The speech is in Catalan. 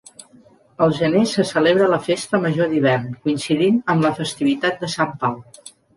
El gener se celebra la festa major d'hivern, coincidint amb la festivitat de Sant Pau.